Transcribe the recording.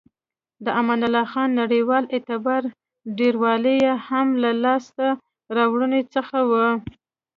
د امان الله خان نړیوال اعتبار ډیروالی یې هم له لاسته راوړنو څخه و.